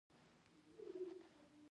د کښتۍ له کپټان څخه څو ځله وغوښتل شول.